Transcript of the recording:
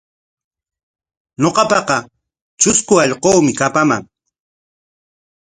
Ñuqapaqa trusku allquumi kapaman.